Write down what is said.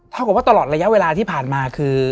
กับว่าตลอดระยะเวลาที่ผ่านมาคือ